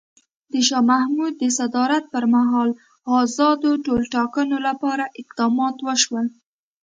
د شاه محمود د صدارت پر مهال ازادو ټولټاکنو لپاره اقدامات وشول.